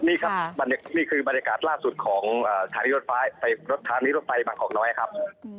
นี่คือบรรยากาศล่าสุดของสถานีรถไฟประกอบน้อยนะครับ